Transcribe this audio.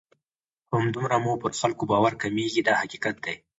همدومره مو پر خلکو باور کمیږي دا حقیقت دی.